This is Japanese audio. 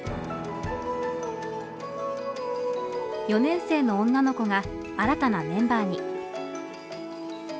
４年生の女の子が新たなメンバーに。